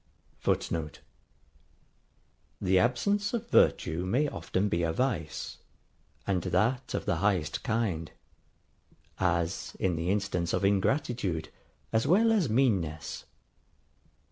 [Footnote: The absence of virtue may often be a vice; and that of the highest kind; as in the instance of ingratitude, as well as meanness.